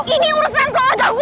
ini urusan keluarga gue